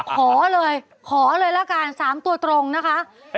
ขอเลยขอเลยละกัน๓ตัวตรงนะคะ